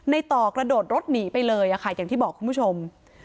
ต่อกระโดดรถหนีไปเลยค่ะอย่างที่บอกคุณผู้ชม